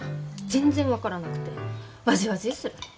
全然分からなくてわじわじーする。